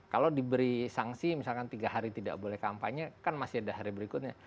kalau diberi sanksi misalkan tiga hari tidak boleh kampanye kan masih ada hari berikutnya